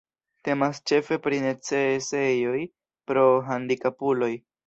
Temas ĉefe pri necesejoj por handikapuloj.